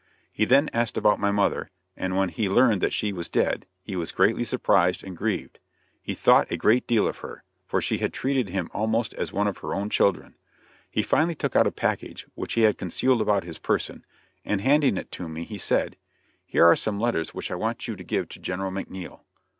He then asked about my mother, and when he learned that she was dead he was greatly surprised and grieved; he thought a great deal of her, for she had treated him almost as one of her own children. He finally took out a package, which he had concealed about his person, and handing it to me he said: "Here are some letters which I want you to give to General McNiel."